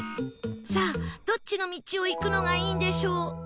さあどっちの道を行くのがいいんでしょう？